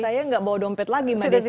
saya nggak bawa dompet lagi mbak desi